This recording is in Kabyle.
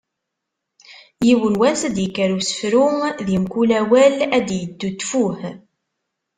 Yiwen wass ad d-yekker usefru, di mkul awal ad d-yeddu ttfuh”.